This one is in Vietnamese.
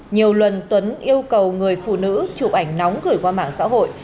nhiều lần tuấn yêu cầu người phụ nữ chụp ảnh nóng gửi qua mạng xã hội